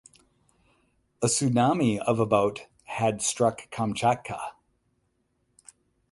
A tsunami of about had struck Kamchatka.